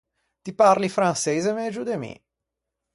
Ti parli franseise megio de mi.